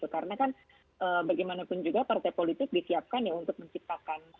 karena bagaimanapun juga partai politik disiapkan untuk menciptakan